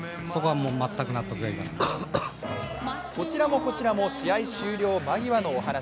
こちらもこちらも試合終了間際のお話。